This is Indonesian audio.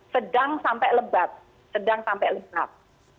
sedang sampai lebat